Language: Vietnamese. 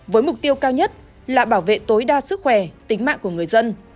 với mục tiêu cao nhất là bảo vệ tối đa sức khỏe tính mạng của người dân